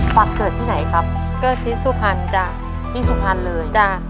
เกิดที่ไหนครับเกิดที่สุพรรณจ้ะที่สุพรรณเลยจ้ะ